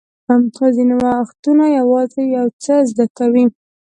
خو ځینې وختونه یوازې یو څه زده کوئ.